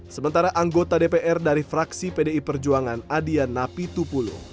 sementara anggota dpr dari fraksi pdi perjuangan adian napi tupulo